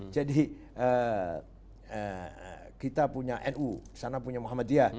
kita punya nu sana punya muhammadiyah